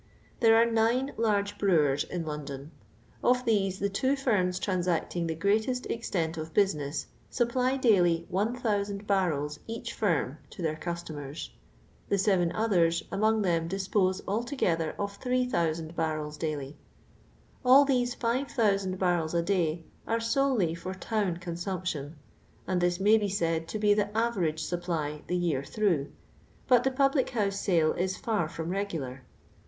There are nine large brewers in London ; of these the two firms transacting the greatest extent of business supply, daily, 1000 barrels each firm to their customers ; thef seven others, among them, dispose, altogether, of 3000 barrels daily. AH these 5000 barrels a day are solely for town consumption ; and this may be said to be the acarage supply the year through, but the public house sale is far from regular.